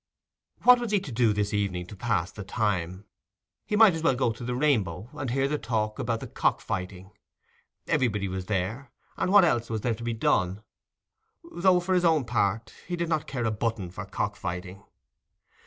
What was he to do this evening to pass the time? He might as well go to the Rainbow, and hear the talk about the cock fighting: everybody was there, and what else was there to be done? Though, for his own part, he did not care a button for cock fighting.